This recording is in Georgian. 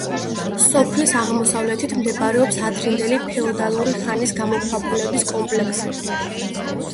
სოფლის აღმოსავლეთით მდებარეობს ადრინდელი ფეოდალური ხანის გამოქვაბულების კომპლექსი.